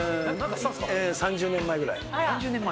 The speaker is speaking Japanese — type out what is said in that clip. ３０年ぐらい前。